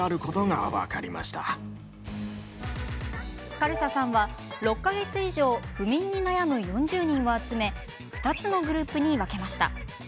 カルサさんは、６か月以上不眠に悩む４０人を集め２つのグループに分けました。